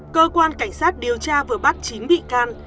cơ quan cảnh sát điều tra vừa bắt chín bị can